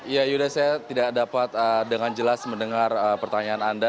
ya yuda saya tidak dapat dengan jelas mendengar pertanyaan anda